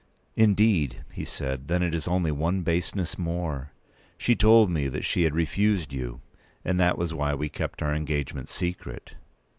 "Indeed!" he said. "Then it is only one baseness more. She told me that she had refused you; and that was why we kept our engagement secret."